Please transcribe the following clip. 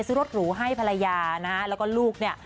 ซื้อรถหรูให้ภรรยานะฮะแล้วก็ลูกเนี่ย